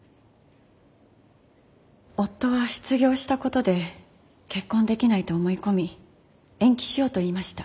夫は失業したことで結婚できないと思い込み延期しようと言いました。